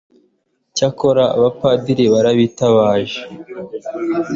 icyakora abapadiri barabitabaje